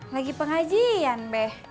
lagi pengajian beh